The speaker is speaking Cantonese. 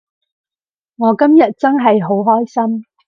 我今日真係好開心